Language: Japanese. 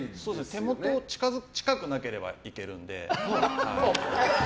手元近くなければいけるので。